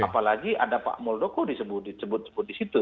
apalagi ada pak muldoko disebut sebut di situ